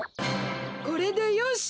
これでよし！